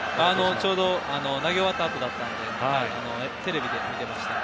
ちょうど投げ終わったあとだったのでテレビで見ていました。